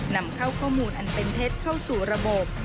นำเข้าข้อมูลอันเป็นเท็จเข้าสู่ระบบ